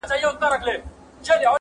چي د عیش پیمانه نه غواړې نسکوره!.